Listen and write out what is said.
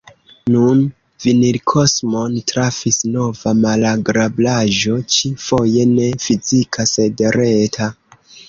Nun Vinilkosmon trafis nova malagrablaĵo, ĉi-foje ne fizika sed reta.